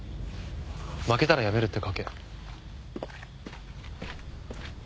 負けたら辞めるって賭け。